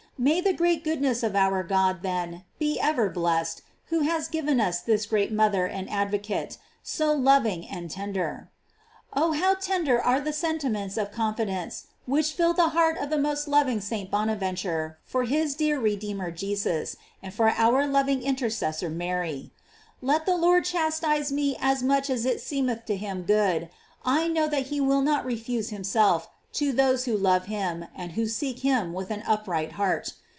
May the great goodness of our God, then, be ever blessed, who has given us this great mother and advocate, so loving and tender. Oh ! how tender are the sentiments of confi dence which filled the heart of the most loving St. Bonaventure for his dear Redeemer Jesus, and for our loving intercessor Mary ! Let the Lord chastise me as much as seemeth to him good, I know that he will not refuse him self to those who love him and who seek him with an upright heart.